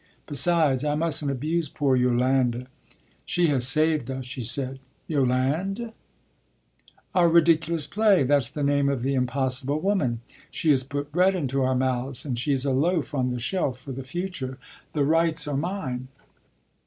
Besides, I mustn't abuse poor Yolande she has saved us," she said. "'Yolande' ?" "Our ridiculous play. That's the name of the impossible woman. She has put bread into our mouths and she's a loaf on the shelf for the future. The rights are mine."